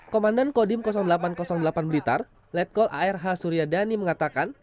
komandan kodim delapan ratus delapan blitar letkol arh suryadani mengatakan